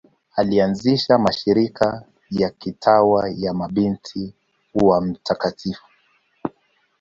Alianzisha mashirika ya kitawa ya Mabinti wa Mt.